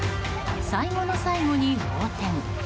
最後の最後に横転。